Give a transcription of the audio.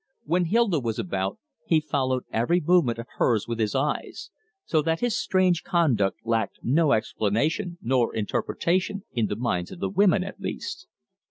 When Hilda was about he followed every movement of hers with his eyes, so that his strange conduct lacked no explanation nor interpretation, in the minds of the women at least.